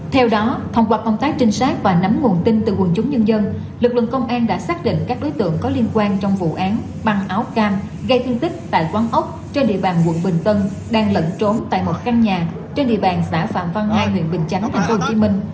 theo đó thông qua công tác trinh sát và nắm nguồn tin từ quần chúng nhân dân lực lượng công an đã xác định các đối tượng có liên quan trong vụ án băng áo cam gây thương tích tại quán ốc trên địa bàn quận bình tân đang lẫn trốn tại một căn nhà trên địa bàn xã phạm văn hai huyện bình chánh tp hcm